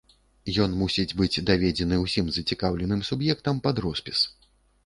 Ён мусіць быць даведзены ўсім зацікаўленым суб'ектам пад роспіс.